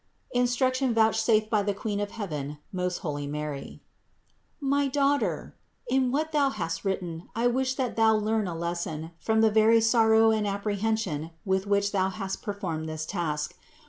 INSTRUCTION VOUCHSAFED BY THE QUEEN OF HEAVEN, MOST HOLY MARY. 679. My daughter, in what thou hast written I wish that thou learn a lesson from the very sorrow and appre hension with which thou hast performed this task.